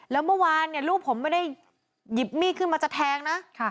แล้วเมื่อวานเนี่ยลูกผมไม่ได้หยิบมีดขึ้นมาจะแทงนะ